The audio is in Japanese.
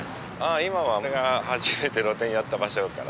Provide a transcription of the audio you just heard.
今は俺が初めて露店やった場所かな。